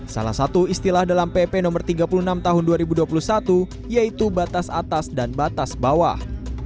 salah satu istilah dalam pp no tiga puluh enam tahun dua ribu dua puluh satu yaitu batas atas dan batas bawah